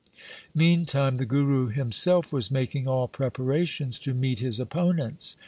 Meantime the Guru himself was making all pre parations to meet his opponents.